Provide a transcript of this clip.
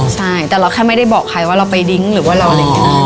ใช่แต่เราแค่ไม่ได้บอกใครว่าเราไปดิ้งหรือว่าเราอะไรอย่างนี้